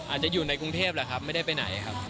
อาจจะอยู่ในกรุงเทพฯไม่ได้ไปไหนครับ